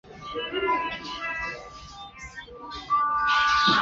武藏沟之口站南武线的铁路车站。